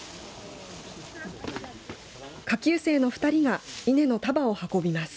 下級生の２人が稲の束を運びます。